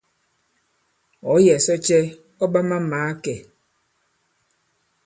Ɔ̌ yɛ̀ sɔ cɛ ɔ̂ ɓa ma-màa kɛ̄?